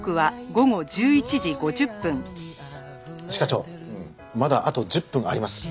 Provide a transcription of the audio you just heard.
一課長まだあと１０分あります。